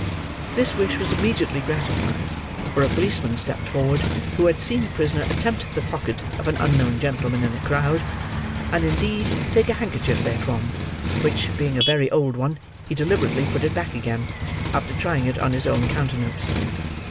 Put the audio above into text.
This wish was immediately gratified, for a policeman stepped forward who had seen the prisoner attempt the pocket of an unknown gentleman in a crowd, and indeed take a handkerchief therefrom, which, being a very old one, he deliberately put back again, after trying it on his own countenance.